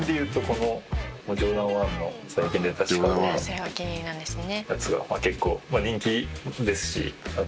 「それお気に入りなんですね」